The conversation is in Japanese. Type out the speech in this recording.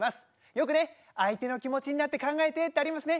よくね相手の気持ちになって考えてってありますね。